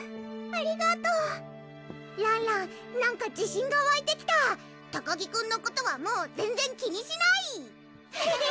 ありがとうらんらんなんか自信がわいてきた高木くんのことはもう全然気にしない！